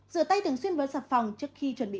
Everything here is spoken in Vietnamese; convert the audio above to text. rửa tay thường xuyên với sạc phòng trước khi chuẩn bị